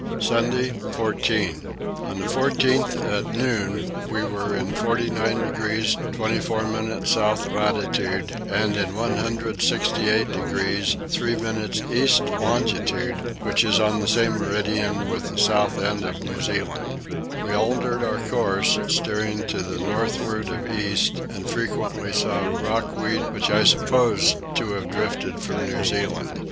Sunday 14. On the 14th at noon we were in 49 degrees 24 minutes south latitude and in 168 degrees 3 minutes east longitude, which is on the same meridian with the south end of New Zealand. We altered our course, steering to the northward of east, and frequently saw rock weed which I supposed to have drifted from New Zealand.